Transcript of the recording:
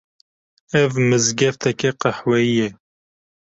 Ev mizgefteke qehweyî ye